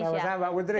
sama sama pak menteri